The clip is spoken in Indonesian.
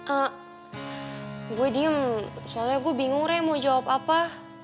a gue diem soalnya gue bingung ya mau jawab apa